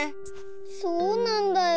そうなんだよ。